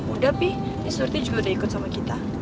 udah pi ini surti juga udah ikut sama kita